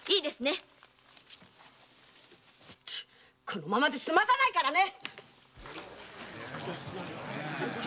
このままでは済まさないからね！